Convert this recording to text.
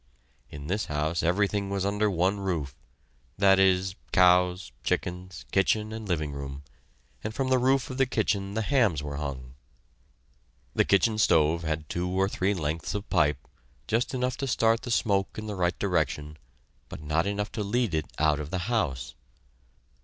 In this house everything was under one roof that is, cows, chickens, kitchen, and living room and from the roof of the kitchen the hams were hung. The kitchen stove had two or three lengths of pipe, just enough to start the smoke in the right direction, but not enough to lead it out of the house.